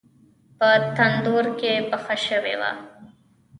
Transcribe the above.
په تندور کې پخه شوې وه.